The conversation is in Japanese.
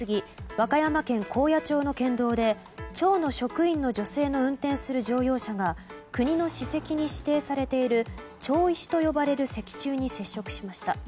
和歌山県高野町の県道で町の職員の女性の運転する乗用車が国の史跡に指定されている町石と呼ばれる石柱に接触しました。